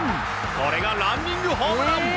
これがランニングホームラン！